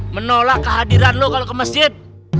menolak kehadiran lo kalau ke masjid